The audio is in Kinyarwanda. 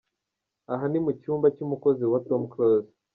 Aha ni mu cyumba cy'umukozi wa Tom Close.